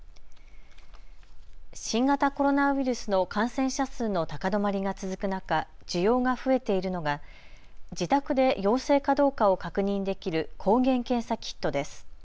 新型コロナウイルスの感染者数の高止まりが続く中、需要が増えているのが自宅で陽性かどうかを確認できる抗原検査キットです。